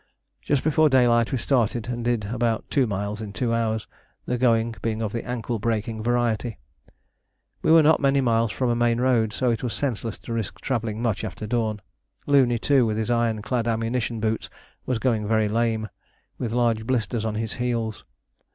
Just before daylight we started and did about two miles in two hours, the going being of the ankle breaking variety. We were not many miles from a main road, so it was senseless to risk travelling much after dawn. Looney, too, with his iron clad ammunition boots, was going very lame, with large blisters on his heels.